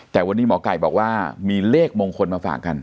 แต่วันนี้หมอไก่บอกว่ามีเลขมงคลมาฝากกัน